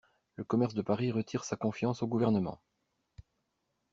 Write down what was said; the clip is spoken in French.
Le commerce de Paris retire sa confiance au gouvernement.